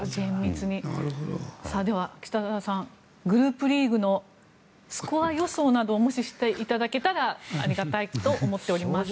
では北澤さんグループリーグのスコア予想などをもししていただけたらありがたいと思っております。